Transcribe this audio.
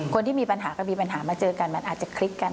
คนที่มีปัญหาก็มีปัญหามาเจอกันมันอาจจะคลิกกัน